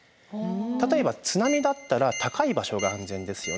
例えば津波だったら高い場所が安全ですよね。